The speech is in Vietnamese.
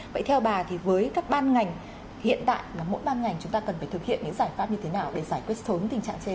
vậy theo bà thì với các ban ngành hiện tại mà mỗi ban ngành chúng ta cần phải thực hiện những giải pháp như thế nào để giải quyết sớm tình trạng trên